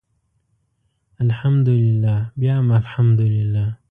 الحمدلله بیا هم الحمدلله.